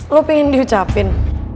lu pingin di ucapin